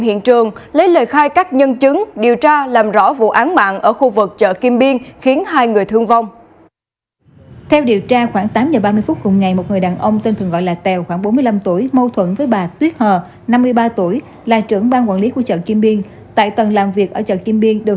hẹn gặp lại các bạn trong những video tiếp theo